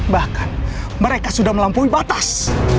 bahkan mereka sudah melampaui batas